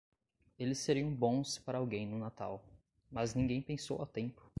Eles seriam bons para alguém no Natal, mas ninguém pensou a tempo.